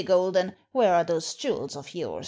Golden, where are those jewels of yours